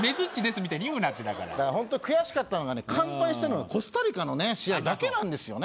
みたいに言うなってだからだからホント悔しかったのがね完敗したのがコスタリカのね試合だけなんですよね